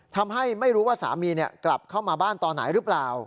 ทำให้ไม่รู้ว่าสามีกลับเข้ามาบ้านตอนไหนหรือเปล่า